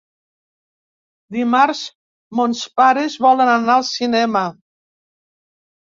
Dimarts mons pares volen anar al cinema.